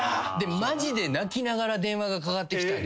マジで泣きながら電話がかかってきた。